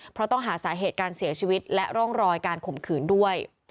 เพราะต้องหาสาเหตุการเสียชีวิตและร่องรอยการข่มขืนด้วย